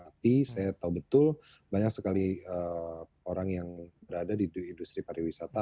tapi saya tahu betul banyak sekali orang yang berada di industri pariwisata